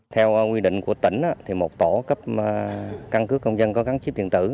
theo quy định của tỉnh một tổ cấp căn cức công dân có gắn chiếc điện tử